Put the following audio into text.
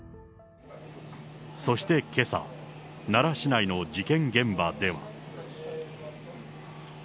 そしてけさ、奈良市内の事件現場では。